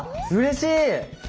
うれしい！